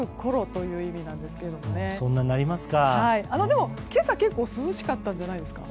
でも、今朝は結構涼しかったんじゃないですか？